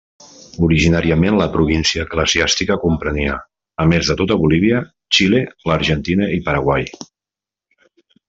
Originàriament la província eclesiàstica comprenia, a més de tota Bolívia, Xile, l'Argentina i Paraguai.